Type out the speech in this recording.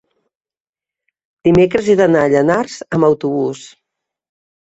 dimecres he d'anar a Llanars amb autobús.